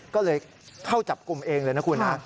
ก็เลยเข้าจับกลุ่มเองเลยนะคุณนะ